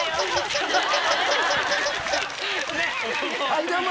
・はいどうも！